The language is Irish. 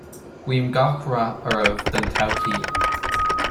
Guím gach rath oraibh don todhchaí